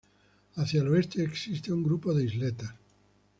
Hacia el oeste existe un grupo de isletas.